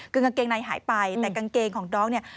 คือกางเกงในหายไปแต่กางเกงของน้องเนี่ย